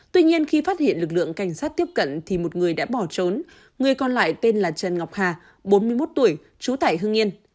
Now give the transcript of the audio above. tuy nhiên khi phát hiện lực lượng cảnh sát tiếp cận thì một người đã bỏ trốn người còn lại tên là trần ngọc hà bốn mươi một tuổi trú tại hưng yên